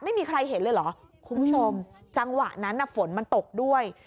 ไม่มีใครเห็นเลยเหรอคุณผู้ชมจังหวะนั้นน่ะฝนมันตกด้วย